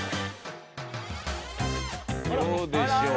どうでしょう？